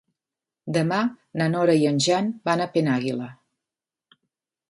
Demà na Nora i en Jan van a Penàguila.